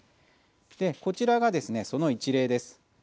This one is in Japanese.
こちらがですね、その一例です。